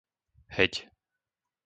Heď